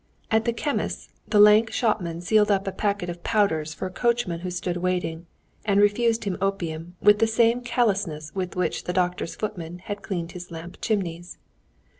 At the chemist's the lank shopman sealed up a packet of powders for a coachman who stood waiting, and refused him opium with the same callousness with which the doctor's footman had cleaned his lamp chimneys.